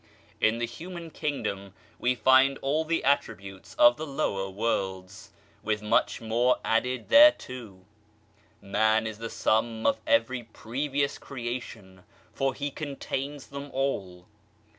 In the human kingdom we find all the attributes of the lower worlds, with much more added thereto. Man is the sum of every previous creation, for he contains them all.